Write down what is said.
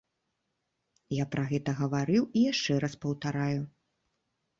Я пра гэта гаварыў і яшчэ раз паўтараю.